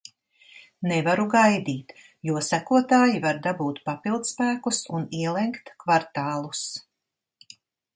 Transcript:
Nevaru gaidīt, jo sekotāji var dabūt papildspēkus un ielenkt kvartālus.